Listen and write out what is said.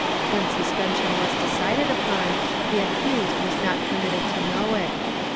When suspension was decided upon, the accused was not permitted to know it.